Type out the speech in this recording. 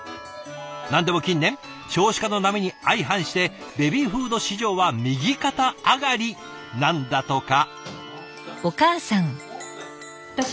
なんでも近年少子化の波に相反してベビーフード市場は右肩上がりなんだとか。